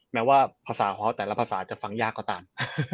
แม้ว่าภาษาของเขาแต่ละภาษาจะฟังยากกว่าต่าง